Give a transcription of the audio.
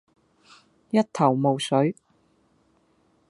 一頭霧水